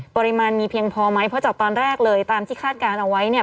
ปริมาณมีเพียงพอไหมเพราะจากตอนแรกเลยตามที่คาดการณ์เอาไว้เนี่ย